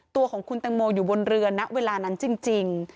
ตัวของคุณตังโมอยู่บนเรือณเวลานั้นจริง